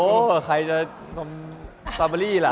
โอ๊ะใครจะซอเบอรี่ละ